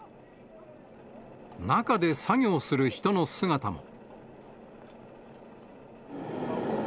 中で作業する人の姿も。